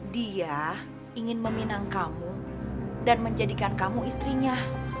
dia ingin meminang kamu dan menjadikan kamu istrinya